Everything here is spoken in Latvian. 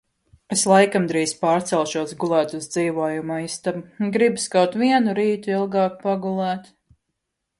Es laikam drīz pārcelšos gulēt uz dzīvojamo istabu, gribas kaut vienu rītu ilgāk pagulēt.